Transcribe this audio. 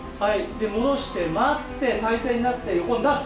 で戻して待って体勢になって横に出す。